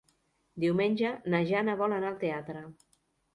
Diumenge na Jana vol anar al teatre.